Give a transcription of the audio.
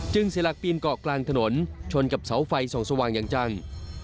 เสียหลักปีนเกาะกลางถนนชนกับเสาไฟส่องสว่างอย่างจัง